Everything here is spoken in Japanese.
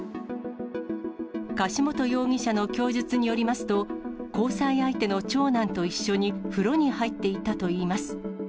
柏本容疑者の供述によりますと、交際相手の長男と一緒に風呂に入っていたといいます。